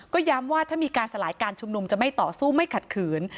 ก็ย้ำว่าถ้ามีการสลายการชุมนุมจะไม่ต่อสู้ไม่ขัดขืน